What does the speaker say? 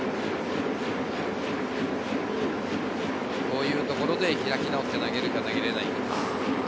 こういうところで開き直って投げられるかどうか。